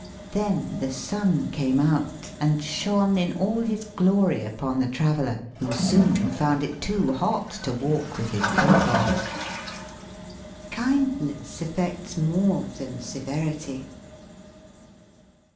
Then the sun came out and shone in all his glory upon the traveller, who soon found it too hot to walk with his cloak on. " Kindness effects more than severity."